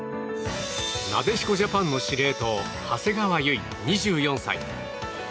なでしこジャパンの司令塔長谷川唯、２４歳。